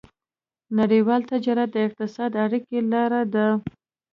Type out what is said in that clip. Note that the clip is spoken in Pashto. نړيوال تجارت د اقتصادي اړیکو لاره ده.